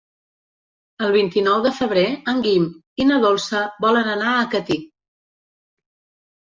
El vint-i-nou de febrer en Guim i na Dolça volen anar a Catí.